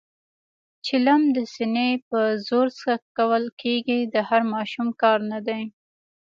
چلم د سینې په زور څکول کېږي، د هر ماشوم کار نه دی.